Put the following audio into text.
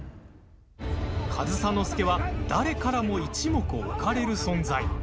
上総介は誰からも一目置かれる存在。